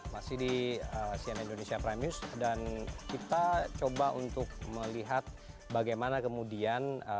masih di cnn indonesia prime news dan kita coba untuk melihat bagaimana kemudian